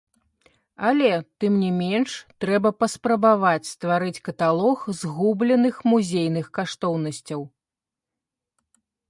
Але, тым не менш, трэба паспрабаваць стварыць каталог згубленых музейных каштоўнасцяў.